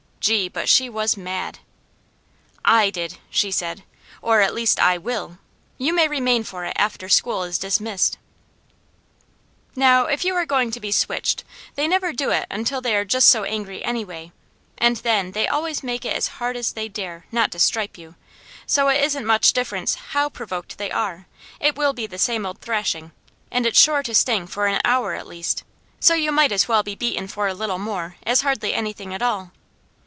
Gee, but she was mad! "I did!" she said. "Or at least I will. You may remain for it after school is dismissed." Now if you are going to be switched, they never do it until they are just so angry anyway, and then they always make it as hard as they dare not to stripe you, so it isn't much difference HOW provoked they are, it will be the same old thrashing, and it's sure to sting for an hour at least, so you might as well be beaten for a little more as hardly anything at all.